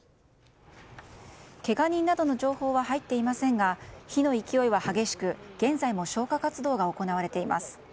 けが人などの情報は入っていませんが火の勢いは激しく現在も消火活動が行われています。